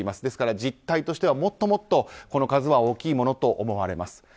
ですから実体としては、もっとこの数は大きいものと思われます。